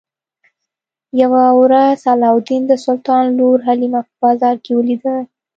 یوه ورځ علاوالدین د سلطان لور حلیمه په بازار کې ولیده.